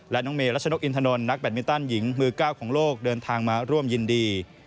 และน้องเมรัชนกอินทนนท์นักแบตมินตันหญิงมือ๙ของโลกเดินทางมาร่วมยินดี